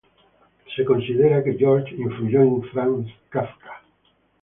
Se considera que George influyó en Franz Kafka.